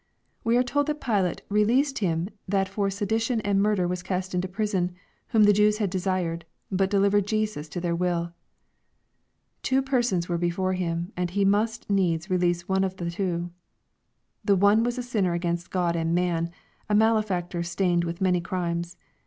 We are told that Pilate " released him that for sedition and murder was cast into prison, whom the Jews had desired ; but delivered Jesus to their will." Two persons were before him, and he must needs release one of the two. The one was a sinner against Grod and man, a malefactor stained with many crimes.